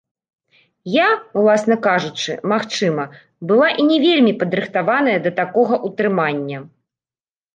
Я, ўласна кажучы, магчыма, была і не вельмі падрыхтаваная да такога ўтрымання.